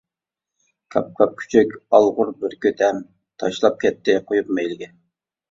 كاپ-كاپ كۈچۈك، ئالغۇر بۈركۈت ھەم، تاشلاپ كەتتى قۇيۇپ مەيلىگە.